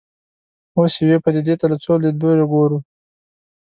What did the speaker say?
اوس یوې پدیدې ته له څو لیدلوریو ګورو.